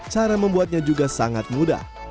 cara membuatnya juga sangat mudah